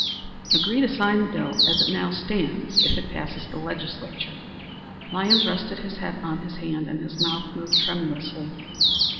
"Agree to sign the bill as it now stands if it passes the legislature." Lyons rested his head on his hand and his mouth moved tremulously.